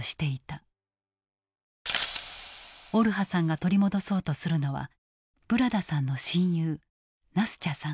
オルハさんが取り戻そうとするのはブラダさんの親友ナスチャさん。